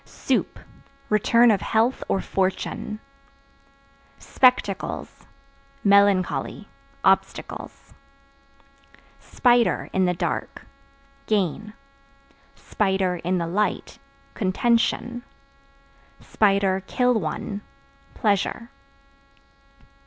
Soup Return of health or fortune. Spectacles Melancholy, obstacles. Spider (In the dark) gain; (in the light) contention; (kill one) pleasure.